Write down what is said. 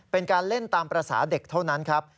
เป็นการเล่นตามภาษาเด็กเท่านั้นครับ